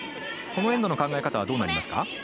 このエンドの考え方はどうなりますか？